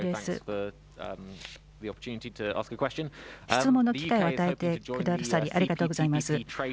質問の機会を与えてくださり、ありがとうございます。